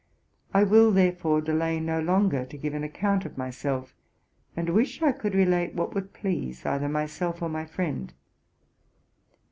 I will, therefore, delay no longer to give an account of myself, and wish I could relate what would please either myself or my friend.